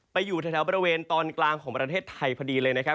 อยู่แถวบริเวณตอนกลางของประเทศไทยพอดีเลยนะครับ